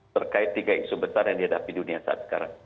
terkait tiga isu besar yang dihadapi dunia saat sekarang